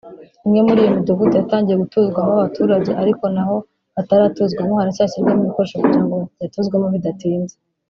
Imwe muri iyo midugudu yatangiye gutuzwamo abaturage ariko naho bataratuzwamo haracyashyirwamo ibikoresho kugira ngo bayatuzwemo bidatinze